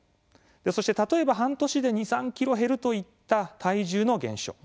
そして例えば半年で２３ｋｇ減るといった体重の減少。